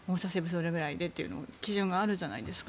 どれくらいでという基準があるじゃないですか。